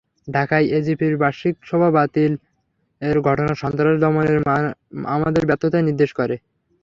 ঢাকায় এপিজির বার্ষিক সভা বাতিলের ঘটনা সন্ত্রাস দমনে আমাদের ব্যর্থতাই নির্দেশ করে।